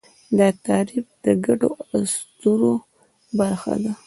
دا تعریف د ګډو اسطورو برخه ده.